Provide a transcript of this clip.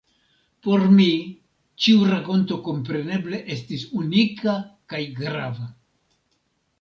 Por mi ĉiu rakonto kompreneble estis unika kaj grava.